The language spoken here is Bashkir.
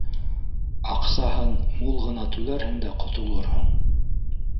Аҡсаһын мул ғына түләрһең дә, ҡотолорһоң